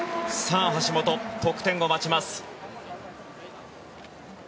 橋本、得点を待ちます。